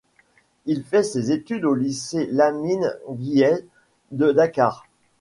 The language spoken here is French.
Il fait ses études au lycée Lamine Gueye de Dakar.